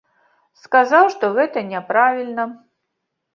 Сказаў, што гэта няправільна.